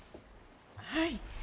はい。